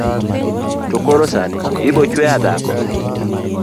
to koro sani ibochweya dhako